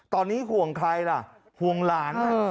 ตอนนี้ห่วงใครล่ะห่วงหลาน